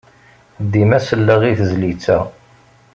Dima selleɣ i tezlit-a.